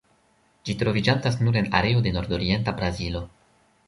Ĝi troviĝantas nur en areo de nordorienta Brazilo.